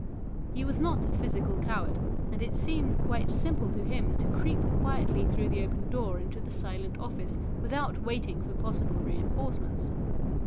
He was not a physical coward, and it seemed quite simple to him to creep quietly through the open door into the silent office without waiting for possible reinforcements.